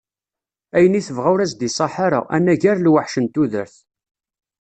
Ayen i tebɣa ur as-d-iṣaḥ ara, anagar lweḥc n tudert.